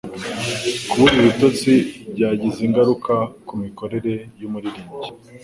Kubura ibitotsi byagize ingaruka kumikorere yumuririmbyi.